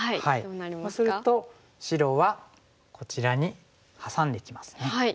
そうすると白はこちらにハサんできますね。